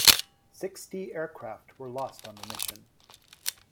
Sixty aircraft were lost on the mission.